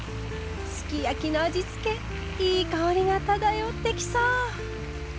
すき焼きの味付けいい香りが漂ってきそう！